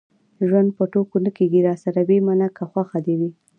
ژوند په ټوکو نه کېږي. راسره ويې منه که خوښه دې وي.